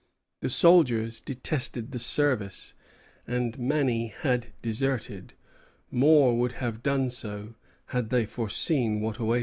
The soldiers detested the service, and many had deserted. More would have done so had they foreseen what awaited them.